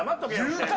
言うか！